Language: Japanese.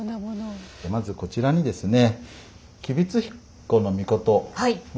まずこちらにですね